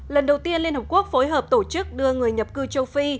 lần đầu tiên liên hợp quốc phối hợp tổ chức đưa người nhập cư châu phi